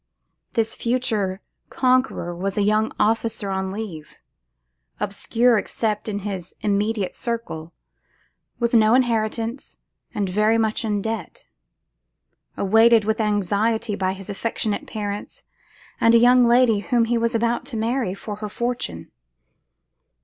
This future conqueror was a young officer on leave, obscure except in his immediate circle, with no inheritance, and very much in debt; awaited with anxiety by his affectionate parents, and a young lady whom he was about to marry for her fortune!